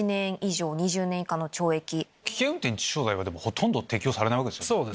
危険運転致死傷罪はほとんど適応されないわけですよね。